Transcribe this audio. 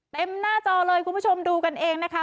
หน้าจอเลยคุณผู้ชมดูกันเองนะคะ